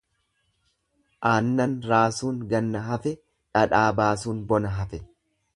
Aannan raasuun ganna hafe, dhadhaa baasuun bona hafe.